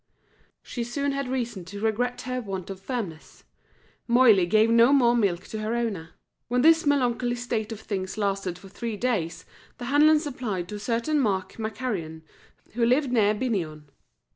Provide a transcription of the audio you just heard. She soon had reason to regret her want of firmness. Moiley gave no more milk to her owner. When this melancholy state of things lasted for three days, the Hanlons applied to a certain Mark McCarrion, who lived near Binion.